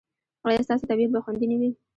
ایا ستاسو طبیعت به خوندي نه وي؟